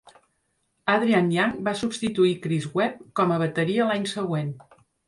Adrian Young va substituir Chris Webb com a bateria l"any següent..